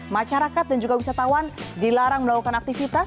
masyarakat dan juga wisatawan dilarang melakukan aktivitas